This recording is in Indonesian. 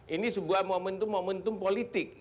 ini sebuah momentum momentum politik